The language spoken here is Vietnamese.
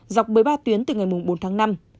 dọc bởi ba tuyến từ ngày bốn tháng năm